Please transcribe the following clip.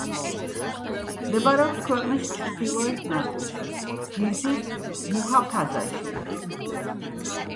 მდებარეობს ქვეყნის ჩრდილოეთ ნაწილში, გიზის მუჰაფაზაში.